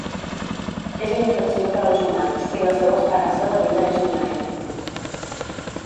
És inofensiu per als humans i la seua esperança de vida és d'un any.